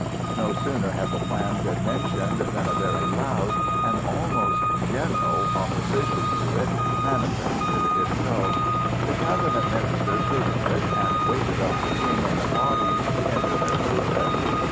No sooner had the plan been mentioned than a very loud, and almost general, opposition to it manifested itself. The cabinet ministers heard of it, and waited on the King in a body to enter their protest.